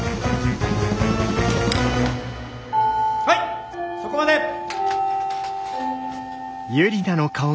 はいそこまで。